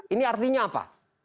ini artinya apa